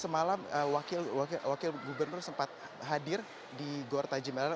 semalam wakil gubernur sempat hadir di gor tajimala